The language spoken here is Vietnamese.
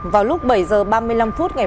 vào lúc bảy h ba mươi năm phút ngày hôm